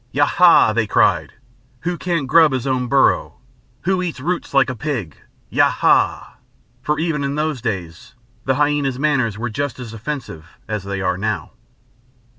"Ya ha!" they cried. "Who can't grub his own burrow? Who eats roots like a pig?... Ya ha!" for even in those days the hyæna's manners were just as offensive as they are now.